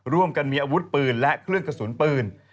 ร่วมกันมีอาวุธปืนและเครื่องกระสุนปืน